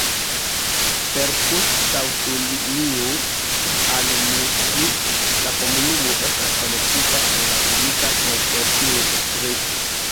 Per poŝtaŭtolinio al Moutier la komunumo estas konektita al la publika transportreto.